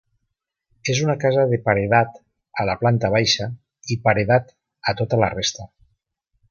És una casa de paredat a la planta baixa i paredat a tota la resta.